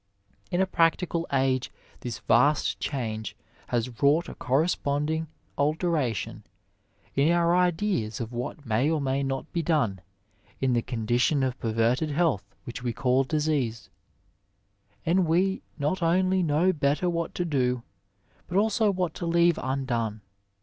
In a practical age this vast change has wrought a corresponding alteration in our ideas of what may or may not be done in the condition of perverted health which we call disease, and we not only know better what to do, but also what to leave undone.